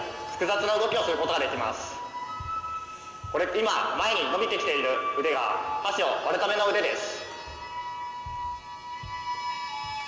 今前に伸びてきている腕が箸を割るための腕です。